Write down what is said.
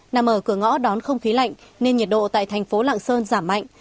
nằm ở cửa ngõ đón không khí lạnh nên nhiệt độ tại thành phố lạng sơn giảm mạnh